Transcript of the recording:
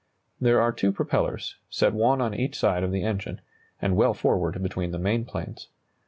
There are two propellers, set one on each side of the engine, and well forward between the main planes.